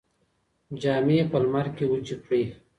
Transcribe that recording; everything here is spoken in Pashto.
جامې په لمر کې وچې کړئ.